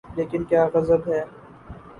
لیکن کیا غضب ہے۔